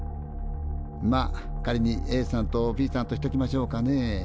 まあ仮にＡさんとＢさんとしときましょうかね。